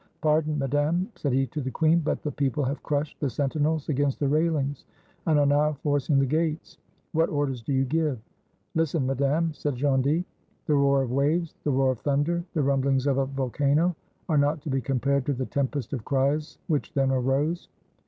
"Pardon, Madame," said he to the queen; "but the people have crushed the sentinels against the railings, and are now forcing the gates. What orders do you give?" "Listen, Madame," said Gondy. The roar of waves, the roar of thunder, the rumblings of a volcano, are not to be compared to the tempest of cries which then arose.